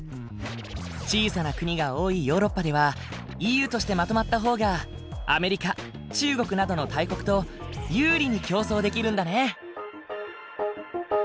小さな国が多いヨーロッパではＥＵとしてまとまった方がアメリカ中国などの大国と有利に競争できるんだね。